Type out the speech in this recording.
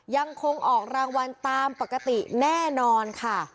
ยังคงออกรางวัลตามปกติแน่นอนค่ะ